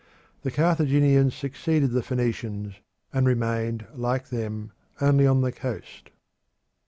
The Carthaginians succeeded the Phoenicians, and remained, like them, only on the coast.